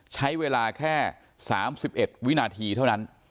ใช้เวลาแค่๓๑วินาทีเท่านั้น